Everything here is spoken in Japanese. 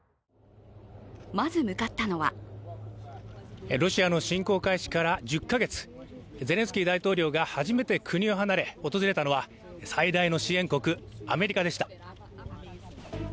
まず向かったのはロシアの侵攻開始から１０か月、ゼレンスキー大統領が初めて国を離れ、訪れたのは最大の支援国、アメリカでした。